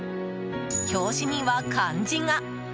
表紙には漢字が。